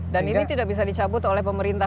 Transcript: dan ini tidak bisa dicabut oleh pemerintah